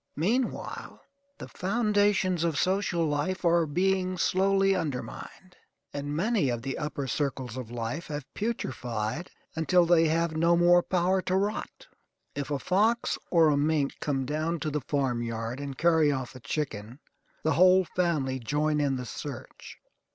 Meanwhile the foundations of social life are being slowly undermined; and many of the upper circles of life have putrefied until they have no more power to rot. If a fox or a mink come down to the farmyard and carry off a chicken, the whole family join in the search.